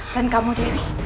dan kamu dewi